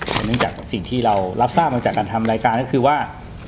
แต่เนื่องจากสิ่งที่เรารับทราบมาจากการทำรายการก็คือว่า